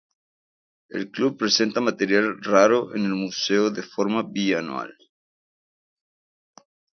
El club presenta material raro en el museo de forma bianual.